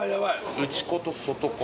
内子と外子